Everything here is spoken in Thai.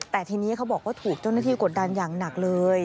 แต่ทีนี้เขาบอกว่าถูกเจ้าหน้าที่กดดันอย่างหนักเลย